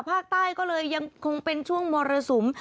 ภาคใต้ก็เลยยังคงเป็นช่วงมรสุม